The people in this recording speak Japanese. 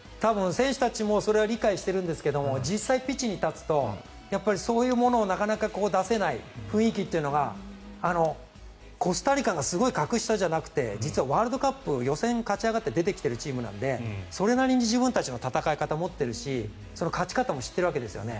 選手たちもそれは理解しているんですけど実際ピッチに立つとそういうものをなかなか出せない雰囲気っていうのがコスタリカがすごい格下じゃなくて実はワールドカップ予選を勝ち上がって出てきているチームなのでそれなりに自分たちの戦い方を持っているし勝ち方も知っているわけですよね。